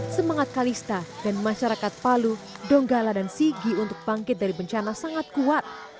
semangat kalista dan masyarakat palu donggala dan sigi untuk bangkit dari bencana sangat kuat